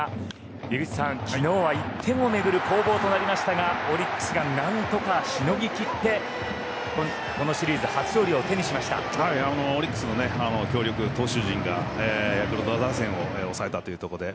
井口さん、昨日は１点を巡る攻防となりましたがオリックスが何とかしのぎ切ってこのシリーズオリックスの強力投手陣がヤクルト打線を抑えたというところで。